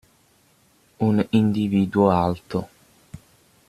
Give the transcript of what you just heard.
Un individuo alto.